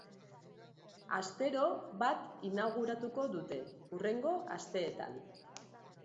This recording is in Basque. Astero bat inauguratuko dute, hurrengo asteetan.